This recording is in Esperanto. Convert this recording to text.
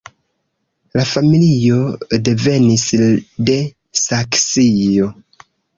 La familio devenis de Saksio.